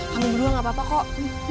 kamu berdua gak apa apa kok